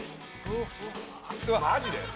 マジで？